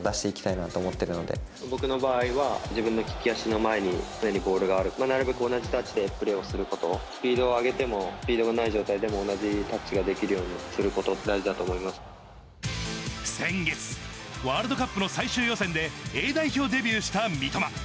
なるべく同じタッチでプレーをすること、スピードを上げてもスピードのない状態でも同じタッチができるよ先月、ワールドカップの最終予選で、Ａ代表デビューした三笘。